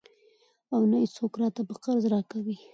او نه يې څوک راته په قرض راکوي.